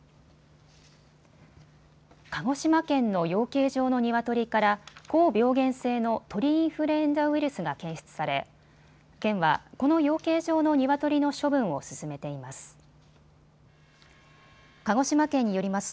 鹿児島県の養鶏場のニワトリから高病原性の鳥インフルエンザウイルスが検出され県はこの養鶏場のニワトリの処分を進めています。